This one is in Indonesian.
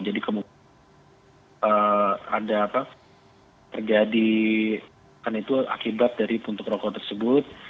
jadi ada terjadi akibat dari puntuk rokok tersebut